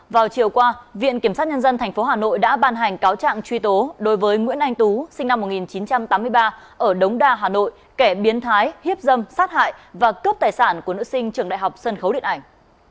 vào chiều qua viện kiểm sát nhân dân tp hà nội đã ban hành cáo trạng truy tố đối với nguyễn anh tú sinh năm một nghìn chín trăm tám mươi ba ở đống đa hà nội kẻ biến thái hiếp dâm sát hại và cướp tài sản của nữ sinh trường đại học sân khấu điện ảnh